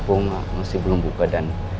kayaknya dia juga bangun sih